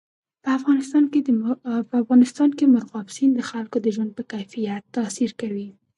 په افغانستان کې مورغاب سیند د خلکو د ژوند په کیفیت تاثیر کوي.